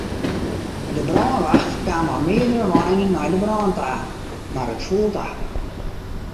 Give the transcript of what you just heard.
De brânwacht kaam mei meardere weinen nei de brân ta, mar it foel ta.